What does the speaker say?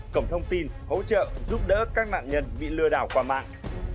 cổng thông tin hỗ trợ giúp đỡ các nạn nhân bị lừa đảo qua mạng